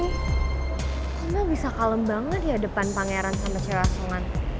karena bisa kalem banget ya depan pangeran sama cewek asongan